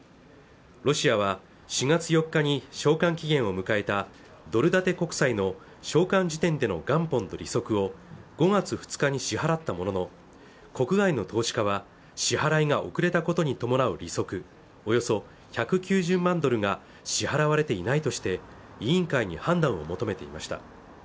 ロシアは４月４日に償還期限を迎えたドル建て国債の償還時点での元本と利息を５月２日に支払ったものの国内の投資家は支払いが遅れたことに伴う利息およそ１９０万ドルが支払われていないとして委員会に判断を求めていました